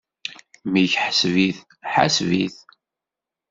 Mmi-k ḥseb-it, ḥaseb-it!